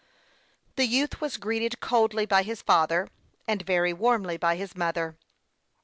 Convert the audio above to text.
The youth was greeted rather coldly by his father, and very warmly by his mother.